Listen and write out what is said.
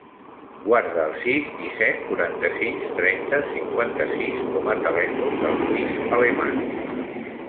Guarda el sis, disset, quaranta-sis, trenta, cinquanta-sis com a telèfon del Luis Aleman.